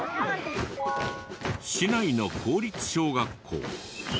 市内の公立小学校。